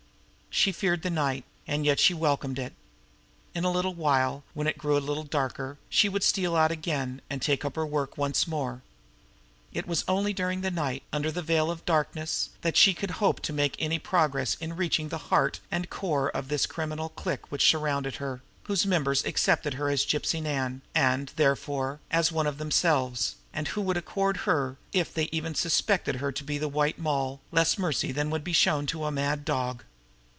She feared the night and yet she welcomed it. In a little while, when it grew a little darker, she would steal out again and take up her work once more. It was only during the night, under the veil of darkness, that she could hope to make any progress in reaching to the heart and core of this criminal clique which surrounded her, whose members accepted her as Gypsy Nan, and, therefore, as one of themselves, and who would accord to her, if they but even suspected her to be the White Mall, less mercy than would be shown to a mad dog.